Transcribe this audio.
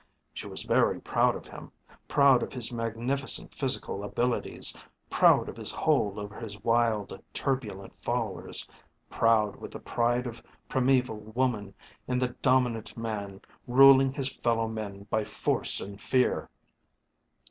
She was very proud of him, proud of his magnificent physical abilities, proud of his hold over his wild turbulent followers, proud with the pride of primeval woman in the dominant man ruling his fellow men by force and fear.